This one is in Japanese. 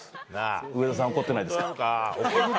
上田さん、怒ってないですか？